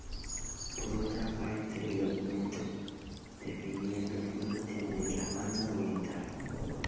Por otra parte, el documento definía los límites de la Banda Oriental.